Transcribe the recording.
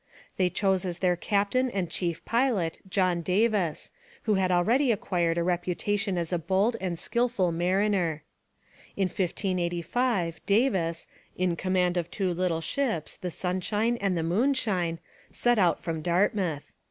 They chose as their captain and chief pilot John Davis, who had already acquired a reputation as a bold and skilful mariner. In 1585 Davis, in command of two little ships, the Sunshine and the Moonshine, set out from Dartmouth.